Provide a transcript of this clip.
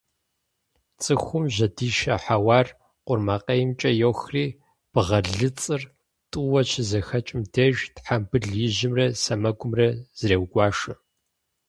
Цӏыхум жьэдишэ хьэуар къурмакъеймкӏэ йохри, бгъэлыцӏыр тӏууэ щызэхэкӏым деж тхьэмбыл ижьымрэ сэмэгумрэ зреугуашэ.